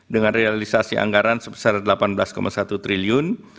dengan realisasi anggaran sebesar delapan belas satu triliun